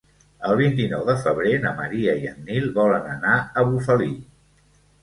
El vint-i-nou de febrer na Maria i en Nil volen anar a Bufali.